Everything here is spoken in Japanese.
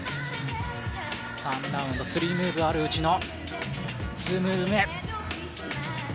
２ラウンド、３ムーブあるうちの２ムーブ目。